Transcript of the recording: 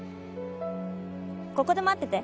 ここで待ってて。